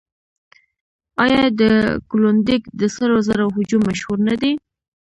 آیا د کلونډیک د سرو زرو هجوم مشهور نه دی؟